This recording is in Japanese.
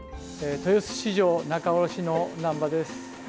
豊洲市場仲卸の難波です。